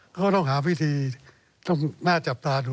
เขาก็ต้องหาวิธีต้องน่าจับตาดู